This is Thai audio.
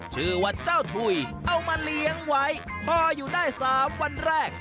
ชื่อว่าเจ้าถุยเอามาเลี้ยงไว้พออยู่ได้๓วันแรก